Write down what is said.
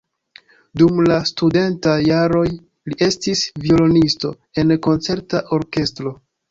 Dum la studentaj jaroj li estis violonisto en koncerta orkestro.